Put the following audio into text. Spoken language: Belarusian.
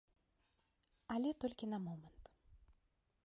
Але толькі на момант.